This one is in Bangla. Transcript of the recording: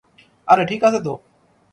আরে, ঠিক আছে তো?